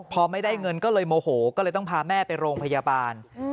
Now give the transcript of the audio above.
พอไม่ได้เงินก็เลยโมโหก็เลยต้องพาแม่ไปโรงพยาบาล